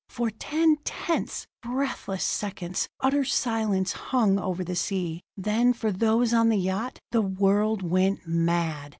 For ten tense, breathless seconds utter silence hung over the sea ... then, for those on the yacht, the world went mad!